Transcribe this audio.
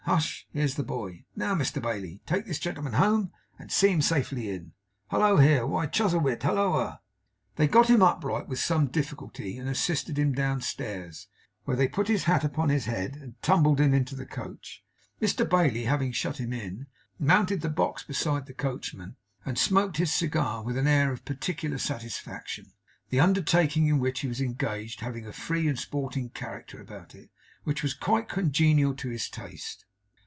Hush! Here's the boy! Now Mr Bailey, take this gentleman home, and see him safely in. Hallo, here! Why Chuzzlewit, halloa!' They got him upright with some difficulty, and assisted him downstairs, where they put his hat upon his head, and tumbled him into the coach. Mr Bailey, having shut him in, mounted the box beside the coachman, and smoked his cigar with an air of particular satisfaction; the undertaking in which he was engaged having a free and sporting character about it, which was quite congenial to his taste.